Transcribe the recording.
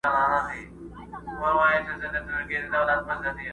نه مي یاران، نه یارانه سته زه به چیري ځمه،